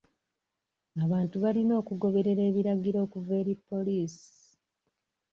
Abantu balina okugoberera ebiragiro okuva eri poliisi.